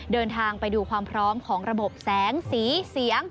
เดินทางไปดูความพร้อมของระบบแสงสีเสียง